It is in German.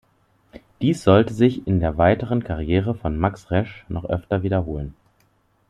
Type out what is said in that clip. Dies sollte sich in der weiteren Karriere von Max Resch noch öfter wiederholen.